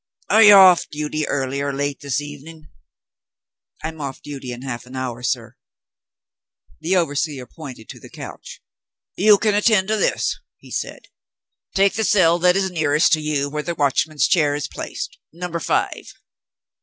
"Are you off duty, early or late this evening?" "I am off duty in half an hour, sir." The overseer pointed to the couch. "You can attend to this," he said. "Take the cell that is the nearest to you, where the watchman's chair is placed Number Five."